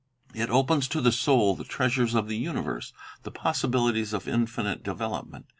It opens to the soul the treasures of the universe, the possibilities of infinite development.